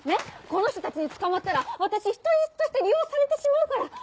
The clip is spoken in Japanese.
この人たちに捕まったら私人質として利用されてしまうから。